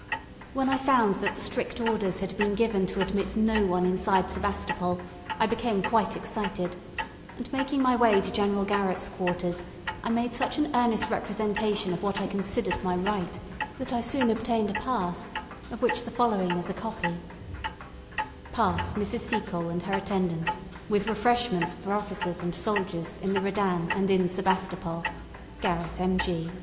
When I found that strict orders had been given to admit no one inside Sebastopol, I became quite excited; and making my way to General Garrett's quarters, I made such an earnest representation of what I considered my right that I soon obtained a pass, of which the following is a copy: "Pass Mrs. Seacole and her attendants, with refreshments for officers and soldiers in the Redan and in Sebastopol. "Garrett, M.G.